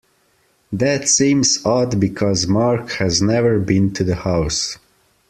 That seems odd because Mark has never been to the house.